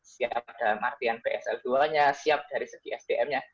siap dalam artian psl dua nya siap dari segi sdm nya